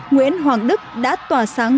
nguyễn hoàng đức đã tỏa sáng